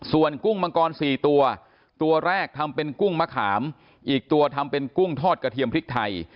ส่วนกุ้งมังกร๔ตัวตัวแรกทำเป็นกุ้งมะขามอีกตัวทำเป็นกุ้งทอดกระเทียมพริกไทย